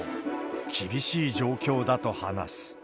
厳しい状況だと話す。